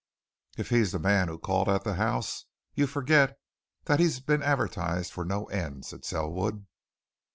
"If he's the man who called at the House, you forget that he's been advertised for no end," said Selwood.